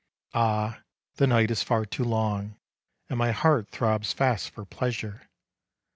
Ah, the night is far too long, And my heart throbs fast for pleasure.